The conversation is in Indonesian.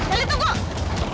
malin jangan lupa